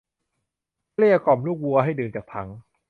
เกลี้ยกล่อมลูกวัวให้ดื่มจากถัง